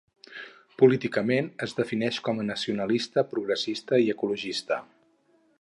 Políticament es defineix com a nacionalista, progressista i ecologista.